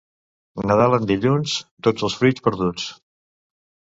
Nadal en dilluns, tots els fruits perduts.